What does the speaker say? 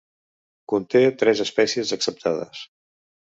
Conté tres espècies acceptades.